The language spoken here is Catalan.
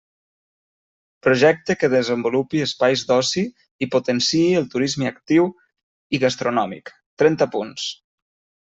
Projecte que desenvolupi espais d'oci i potenciï el turisme actiu i gastronòmic, trenta punts.